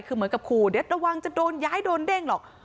คือเหมือนกับขู่เดี๋ยวระวังจะโดนย้ายโดนเด้งหรอก